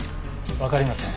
わかりません。